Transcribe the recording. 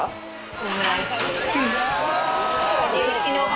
オムライス。